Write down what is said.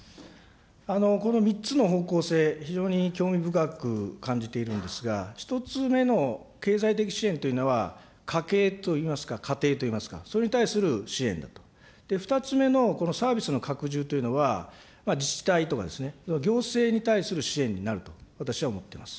この３つの方向性、非常に興味深く感じているんですが、１つ目の経済的支援というのは、家計といいますか、家庭といいますか、それに対する支援だと、２つ目のこのサービスの拡充というのは、自治体とか行政に対する支援になると私は思ってます。